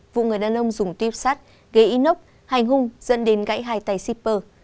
vụ người đàn ông dùng tuyếp sát gây inốc hành hung dẫn đến gãy hai tay shipper